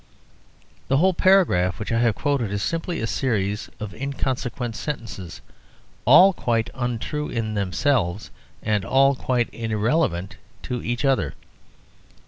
The whole paragraph which I have quoted is simply a series of inconsequent sentences, all quite untrue in themselves and all quite irrelevant to each other.